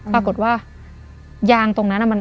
ปรากฏว่ายางตรงนั้นมัน